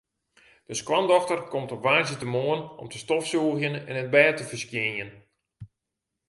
De skoandochter komt op woansdeitemoarn om te stofsûgjen en it bêd te ferskjinjen.